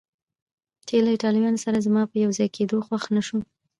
چې له ایټالویانو سره زما په یو ځای کېدو خوښه نه شوه.